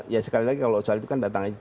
ya sekali lagi kalau soal itu kan datang aja